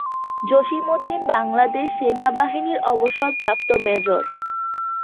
জসিম উদ্দিন বাংলাদেশ সেনাবাহিনীর অবসরপ্রাপ্ত মেজর।